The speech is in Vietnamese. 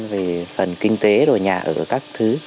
về phần kinh tế rồi nhà ở các thứ